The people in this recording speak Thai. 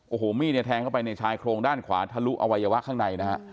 โอ้โหมีดเนี่ยแทงเข้าไปในชายโครงด้านขวาทะลุอวัยวะข้างในนะฮะ